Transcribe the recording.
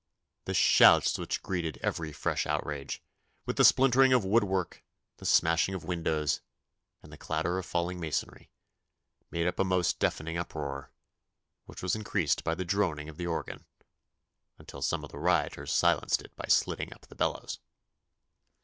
The shouts which greeted every fresh outrage, with the splintering of woodwork, the smashing of windows, and the clatter of falling masonry, made up a most deafening uproar, which was increased by the droning of the organ, until some of the rioters silenced it by slitting up the bellows.